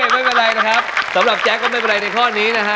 ไม่เป็นไรนะครับสำหรับแจ๊คก็ไม่เป็นไรในข้อนี้นะฮะ